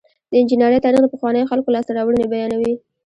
د انجنیری تاریخ د پخوانیو خلکو لاسته راوړنې بیانوي.